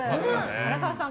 荒川さん